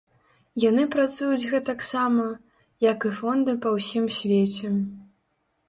Яны працуюць гэтаксама, як і фонды па ўсім свеце.